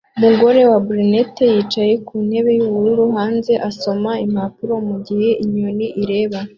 Umugore wa brunette yicaye ku ntebe yubururu hanze asoma impapuro mugihe inyoni ireba